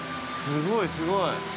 すごい、すごい。